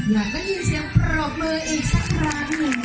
แล้วก็ยินเสียงปรอบเมอร์อีกซักครั้งหนึ่งค่ะ